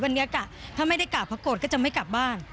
วันนี้ถ้าไม่ได้กราบพระโกรธก็จะไม่กลับบ้าน